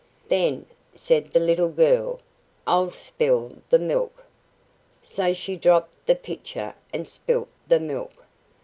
"Then," said the little girl, "I'll spill the milk." So she dropped the pitcher and spilt the milk.